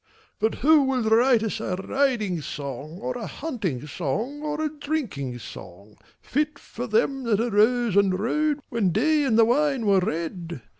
But who will write us a riding song, Or a hunting song or a drinking song, Fit for them that arose and rode When day and the wine were red?